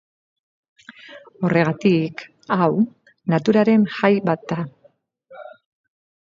Horregatik, hau, naturaren jai bat da.